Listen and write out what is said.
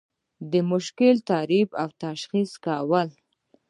د مشکل تعریف او تشخیص کول.